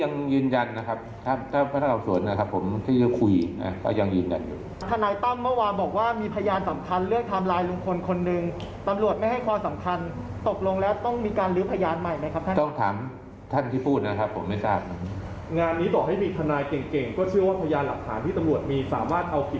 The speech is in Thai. นี่ก็ชื่อว่าพยายามหลักฐานที่ตำรวจมีสามารถเอาผิดได้ใช่ไหมครับ